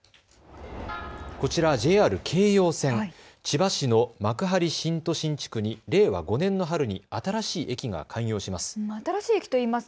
こちら、ＪＲ京葉線、千葉市の幕張新都心地区に令和５年の春に新しい駅が開業します。